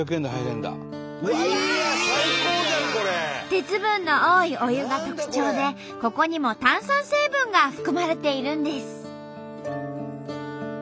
鉄分の多いお湯が特徴でここにも炭酸成分が含まれているんです。